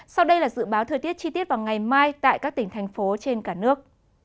sau đây là dự báo thời tiết chi tiết vào ngày mai tại các tỉnh thành phố trên cả nước